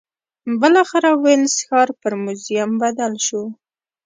بالاخره وینز ښار پر موزیم بدل شو.